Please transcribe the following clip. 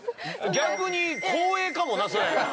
逆に光栄かもな、それ。